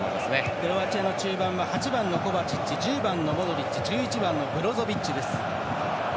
クロアチアの中盤は８番のコバチッチ１０番、モドリッチ１１番、ブロゾビッチ。